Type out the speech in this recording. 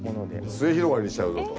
末広がりにしちゃうぞと。